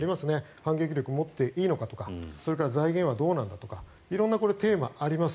反撃力を持っていいのかとかそれから財源はどうなのかとか色んなテーマがあります。